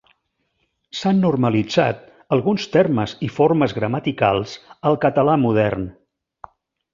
S’han normalitzat alguns termes i formes gramaticals al català modern.